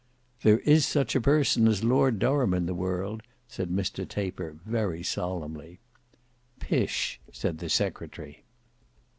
"There is such a person as Lord Durham in the world," said Mr Taper very solemnly. "Pish," said the secretary.